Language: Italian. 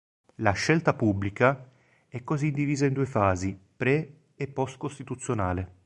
La Scelta Pubblica, è così divisa in due fasi, pre- e post-costituzionale.